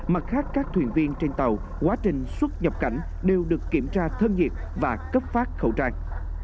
mặt khác các thuyền viên trên tàu quá trình xuất nhập cảnh đều được kiểm tra thân nhiệt và cấp phát khẩu trang